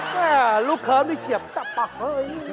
แม่ลูกเขิมนี่เฉียบจับปากเฮ้ย